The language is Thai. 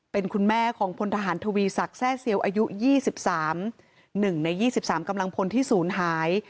เป็นคุณแม่ของพลทหารทวีศักดิ์แซ่เซียวอายุยี่สิบสามหนึ่งในยี่สิบสามกำลังพลที่ศูนย์หาย